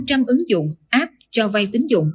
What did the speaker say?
còn khoảng năm trăm linh ứng dụng app cho vay tính dụng